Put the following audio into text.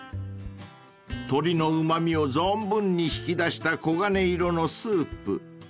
［鶏のうま味を存分に引き出した黄金色のスープ］